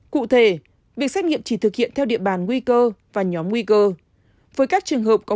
cụ thể việc xét nghiệm chỉ thực hiện theo địa bàn nguy cơ và nhóm nguy cơ với các trường hợp có